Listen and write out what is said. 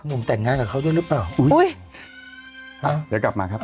วันนี้กลับมาครับ